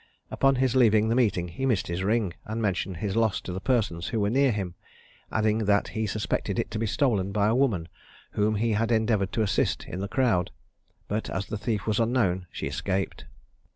Upon his leaving the meeting he missed his ring, and mentioned his loss to the persons who were near him, adding that he suspected it to be stolen by a woman whom he had endeavoured to assist in the crowd; but as the thief was unknown she escaped.